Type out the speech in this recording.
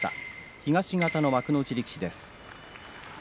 東方の幕内力士です。